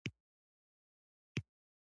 د بامیان په کهمرد کې د سکرو کانونه دي.